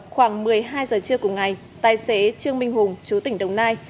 khoảng một mươi hai giờ trưa cùng ngày tài xế trương minh hùng chú tỉnh đồng nai